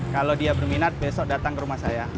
kalau dia berminat besok datang ke rumah saya